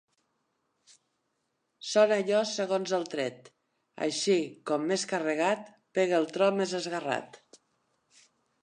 Sona allò segons el tret; així, com més carregat, pega el tro més esgarrat.